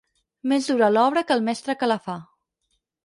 Més dura l'obra que el mestre que la fa.